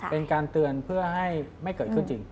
เป็นการเตือนเพื่อให้ไม่เกิดขึ้นจริง